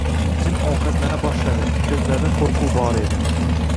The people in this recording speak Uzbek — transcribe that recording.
Jim ovqatlana boshladi, ko‘zlarida qo‘rquv bor edi